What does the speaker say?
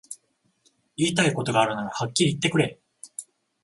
言いたいことがあるならはっきり言ってくれ